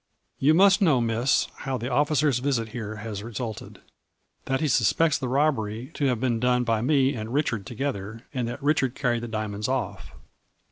"'You must know, Miss, how the officer's visit here has resulted. That he suspects the robbery to have been done by me and Richard 108 A FLURRY IN DIAMONDS. together, and that Richard carried the dia monds off.